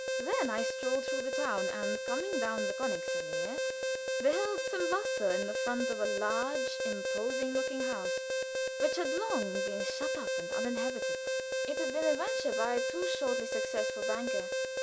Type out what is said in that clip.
Then I strolled through the town, and coming down the Königsallée, beheld some bustle in front of a large, imposing looking house, which had long been shut up and uninhabited. It had been a venture by a too shortly successful banker.